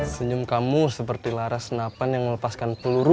senyum kamu seperti laras senapan yang melepaskan peluru